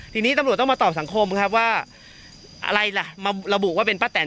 ทีนี้ตำรวจต้องมาตอบสังคมครับว่าอะไรล่ะมาระบุว่าเป็นป้าแตน